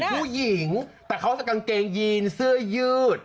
ผู้หญิงแต่เขาจะกางเกงยีนเสื้อยืด